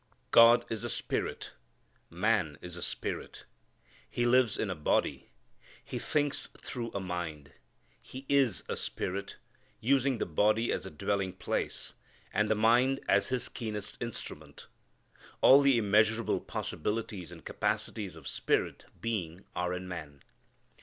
God is a Spirit. Man is a spirit. He lives in a body. He thinks through a mind. He is a spirit, using the body as a dwelling place, and the mind as his keenest instrument. All the immeasurable possibilities and capacities of spirit being are in man.